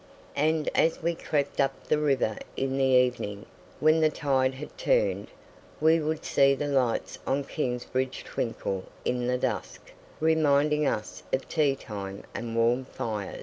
And as we crept up the river in the evening, when the tide had turned, we would see the lights on Kingsbridge twinkle in the dusk, reminding us of tea time and warm fires.